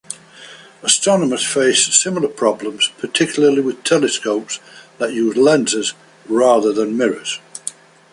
Astronomers face similar problems, particularly with telescopes that use lenses rather than mirrors.